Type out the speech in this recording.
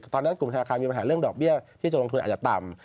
ตอนนั้นกลุ่มธนาคารมีปัญหาเรื่องดอกเบี้ยที่จะลงทุนอาจจะต่ำ